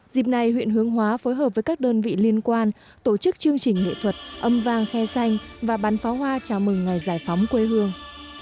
dịp này huyện hướng hóa phối hợp với các đơn vị liên quan tổ chức chương trình nghệ thuật âm vang khe xanh và bắn pháo hoa chào mừng ngày giải phóng quê hương